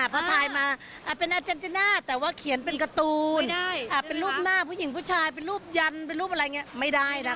พอถ่ายมาเป็นอาเจนติน่าแต่ว่าเขียนเป็นการ์ตูนเป็นรูปหน้าผู้หญิงผู้ชายเป็นรูปยันเป็นรูปอะไรอย่างนี้ไม่ได้นะ